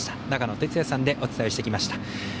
長野哲也さんでお伝えしてきました。